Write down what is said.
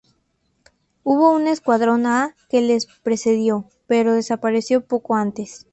Hubo un Escuadrón A que les precedió, pero desapareció poco antes.